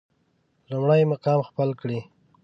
لومړی مقام خپل کړي.